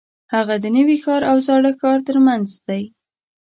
هغه د نوي ښار او زاړه ښار ترمنځ دی.